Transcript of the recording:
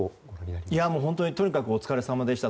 本当にとにかくお疲れさまでした。